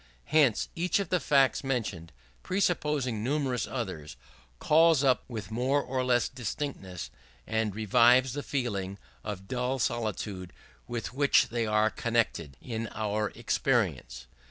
Hence each of the facts mentioned, presupposing numerous others, calls up these with more or less distinctness; and revives the feeling of dull solitude with which they are connected in our experience.